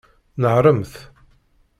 Nehṛemt!